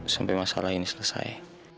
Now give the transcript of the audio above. sampai masalah ini selesai